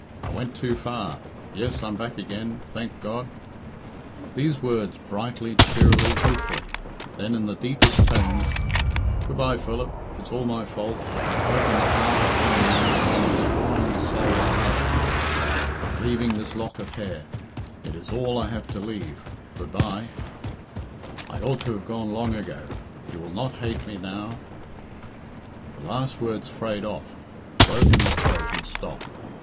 I went too far yes, I am back again, thank God " These words brightly, cheerily, hopefully; then, in the deepest tones, "Good bye, Philip it's all my fault I've broken the heart of one man, and I'm destroying the soul of another I'm leaving this lock of hair it is all I have to leave good bye! I ought to have gone long ago you will not hate me now " The last words frayed off, broke in the throat, and stopped.